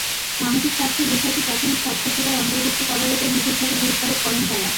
মানসিক স্বাস্থ্যের বিষয়টি প্রাথমিক স্বাস্থ্যসেবায় অন্তর্ভুক্ত করার ওপর বিশেষভাবে গুরুত্বারোপ করেন তাঁরা।